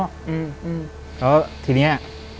แล้วทีนี้